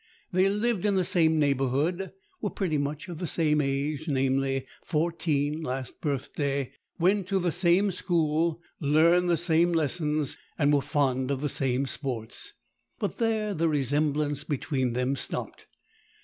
They lived in the same neighbourhood, were pretty much of the same age—namely, fourteen last birthday—went to the same school, learned the same lessons, and were fond of the same sports. But there the resemblance between them stopped.